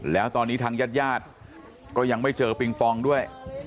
แล้วตอนนี้ทางญาติญาติก็ยังไม่เจอปิงปองด้วย